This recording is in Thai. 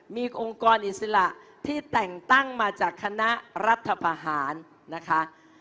มีองค์กรอิสระที่แต่งตั้งมาจากคณะรัฐพาหารนะคะ